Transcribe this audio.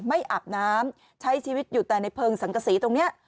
อาบน้ำใช้ชีวิตอยู่แต่ในเพลิงสังกษีตรงนี้